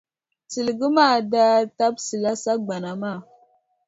Tiligi maa daa tabisila sagbana maa.